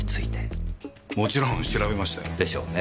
もちろん調べましたよ。でしょうねぇ。